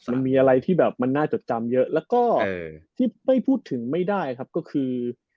มันมีอะไรที่แบบมันน่าจดจำเยอะแล้วก็ที่ไม่พูดถึงไม่ได้ครับก็คือ